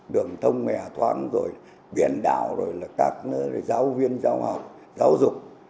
đường thông nghệ hạ toán rồi biển đạo rồi là các giáo viên giáo học giáo dục